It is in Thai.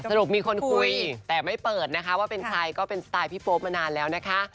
มีคนคุยแต่ไม่เปิดนะคะว่าเป็นใครก็เป็นสไตล์พี่โป๊ปมานานแล้วนะคะ